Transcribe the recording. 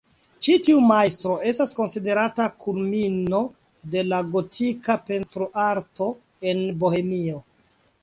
Ĉi tiu majstro estas konsiderata kulmino de la gotika pentroarto en Bohemio.